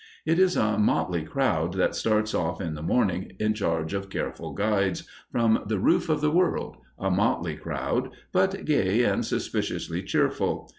It is a motley crowd that starts off in the morning, in charge of careful guides, from the roof of the world a motley crowd, but gay and suspiciously cheerful.